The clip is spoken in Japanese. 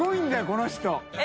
この人。